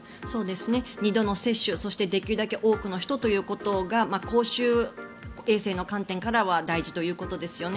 ２度の接種そしてできるだけ多くの人ということが公衆衛生の観点からは大事ということですよね。